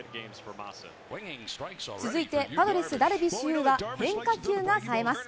続いて、パドレス、ダルビッシュ有は、変化球がさえます。